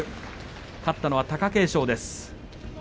勝ったのは貴景勝です。